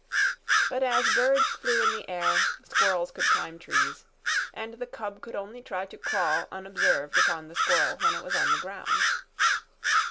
But as birds flew in the air, squirrels could climb trees, and the cub could only try to crawl unobserved upon the squirrel when it was on the ground.